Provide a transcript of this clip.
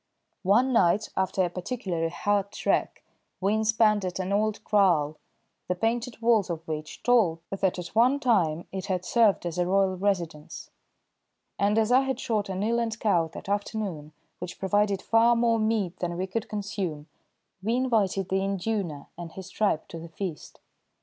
One night after a particularly hard trek we inspanned at an old kraal, the painted walls of which told that at one time it had served as a royal residence, and as I had shot an eland cow that afternoon, which provided far more meat than we could consume, we invited the induna and his tribe to the feast.